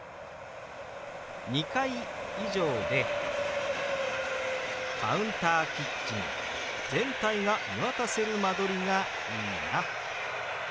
「２階以上でカウンターキッチン全体が見渡せる間取りがいいな」。